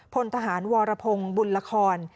พลทหารวรพงศ์บุญละคร